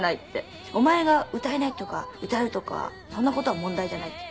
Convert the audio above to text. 「お前が歌えないとか歌えるとかそんな事は問題じゃない」って。